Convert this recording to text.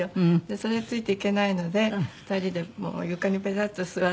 それついていけないので２人で床にペタッと座って見学。